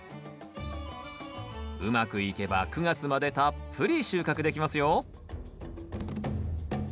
うまくいけば９月までたっぷり収穫できますよ